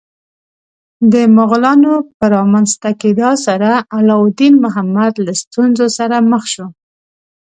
د مغولانو په رامنځته کېدا سره علاوالدین محمد له ستونزو سره مخ شو.